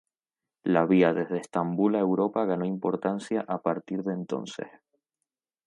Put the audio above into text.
La vía desde Estambul a Europa ganó importancia a partir de entonces.